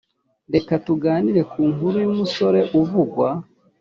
reka tuganire ku nkuru y’umusore uvugwa